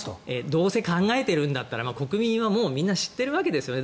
どうせ考えてるんだったら国民はもう知ってるわけですね。